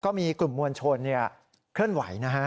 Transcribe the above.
ก็มีกลุ่มมวลชนเคลื่อนไหวนะฮะ